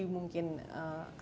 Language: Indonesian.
mungkin apa yang terjadi